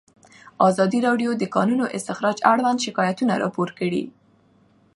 ازادي راډیو د د کانونو استخراج اړوند شکایتونه راپور کړي.